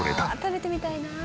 食べてみたいな。